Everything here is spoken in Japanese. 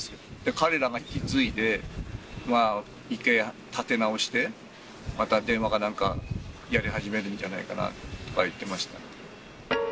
彼らが引き継いで、１回立て直して、また電話かなんか、やり始めるんじゃないかなと言ってました。